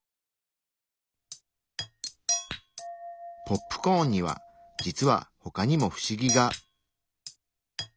ポップコーンには実は他にも不思議が。